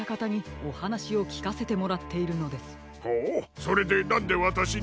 それでなんでわたしに？